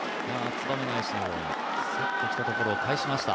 燕返のようにすっときたところ返しました。